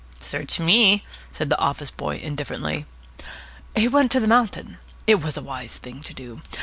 "Search me," said the office boy indifferently. "He went to the mountain. It was a wise thing to do.